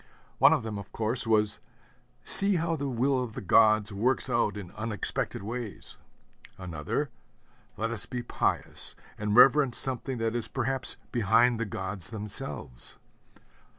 One of them, of course, was, 'See how the will of the gods works out in unexpected ways.' Another, 'Let us be pious, and reverence something that is perhaps behind the gods themselves.'